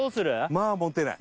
まあ持てない